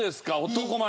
男前。